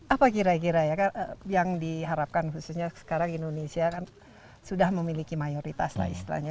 apa kira kira ya yang diharapkan khususnya sekarang indonesia kan sudah memiliki mayoritas lah istilahnya